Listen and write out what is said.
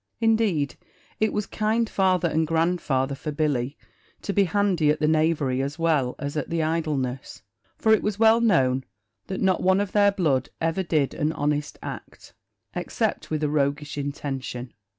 Indeed it was kind father and grandfather for Billy to be handy at the knavery as well as at the idleness; for it was well known that not one of their blood ever did an honest act, except with a roguish intention.